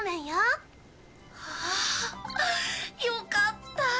ああよかった！